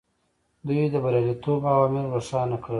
دوی د بریالیتوب عوامل روښانه کړل.